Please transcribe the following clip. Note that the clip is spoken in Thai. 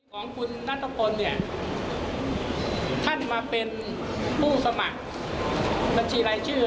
ของคุณนัทพลเนี่ยท่านมาเป็นผู้สมัครบัญชีรายชื่อ